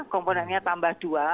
komponennya tambah dua